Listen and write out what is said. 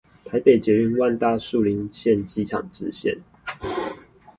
台北捷運萬大樹林線機廠支線